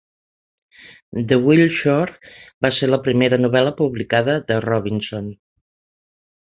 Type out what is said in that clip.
"The Wild Shore" va ser la primera novel·la publicada de Robinson.